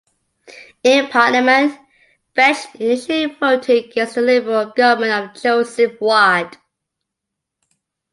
In Parliament, Veitch initially voted against the Liberal government of Joseph Ward.